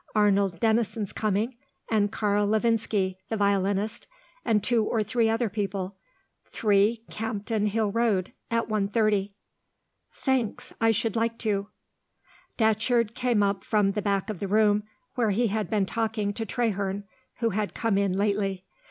Arnold Denison's coming, and Karl Lovinski, the violinist, and two or three other people. 3, Campden Hill Road, at 1.30." "Thanks; I should like to." Datcherd came up from the back of the room where he had been talking to Traherne, who had come in lately.